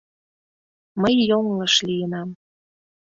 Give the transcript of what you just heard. Мый йоҥылыш лийынам.